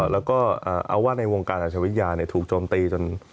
แล้วก็เอาว่าในวงการอาชวิทยาถูกโจมตีจน